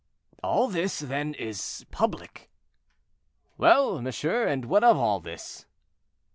"All this, then, is public." "Well! monsieur, and what of all this?"